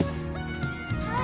・はい。